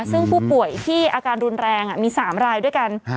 ซึ่งผู้ป่วยที่อาการรุนแรงมี๓รายด้วยกัน